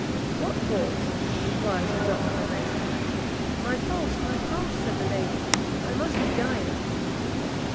"What falls?" inquired the doctor in amazement. "My pulse! my pulse!" said the lady; "I must be dying."